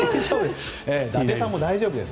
伊達さんも大丈夫です。